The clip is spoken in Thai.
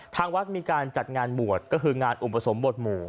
ทางวัดมีการจัดงานบวชก็คืองานอุปสมบทหมู่